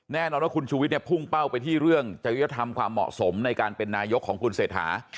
แน่นอนว่าคุณชูวิทย์พุ่งเป้าไปที่เรื่องจริยธรรมความเหมาะสมในการเป็นนายกของคุณเศรษฐา